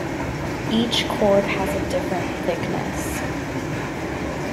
Each chord has a different thickness.